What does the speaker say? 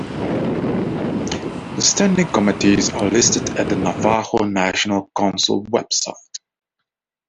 The standing committees are listed at the Navajo Nation Council website.